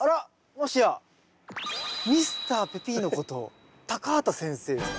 もしやミスターペピーノこと畑先生ですか？